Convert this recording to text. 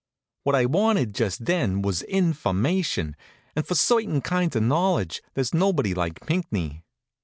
What I wanted just then was information, and for certain kinds of knowledge there's nobody like Pinckney.